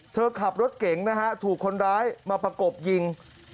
ขับรถเก๋งนะฮะถูกคนร้ายมาประกบยิง